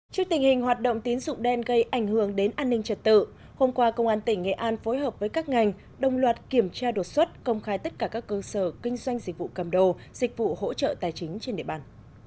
trước tình hình hoạt động tín dụng đen gây ảnh hưởng đến an ninh trật tự hôm qua công an tỉnh nghệ an phối hợp với các ngành đồng loạt kiểm tra đột xuất công khai tất cả các cơ sở kinh doanh dịch vụ cầm đồ dịch vụ hỗ trợ tài chính trên địa bàn